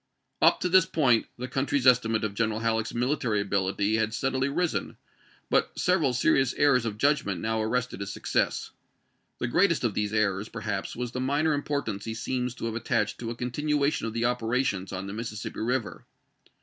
Stautou, 1862"^ w'r ^P ^^^^^^ point the country's estimate of Gen ^part^iL." ^^"^^ Halleck's military ability had steadily risen, ^'"^*' but several serious errors of judgment now arrested his success. The greatest of these errors, perhaps, was the minor importance he seems to have at tached to a continuation of the operations on the Mississippi Eiver.